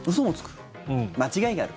間違いがある？